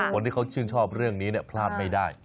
คนที่เขาชื่นชอบเรื่องนี้พลาดไม่ได้